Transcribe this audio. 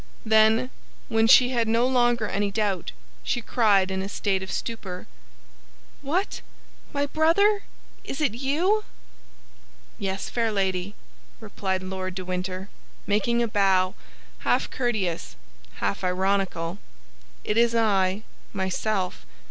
Then when she had no longer any doubt, she cried, in a state of stupor, "What, my brother, is it you?" "Yes, fair lady!" replied Lord de Winter, making a bow, half courteous, half ironical; "it is I, myself."